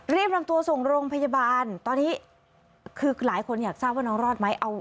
รีบนำตัวส่งโรงพยาบาลตอนนี้คือหลายคนอยากทราบว่าน้องรอดไหม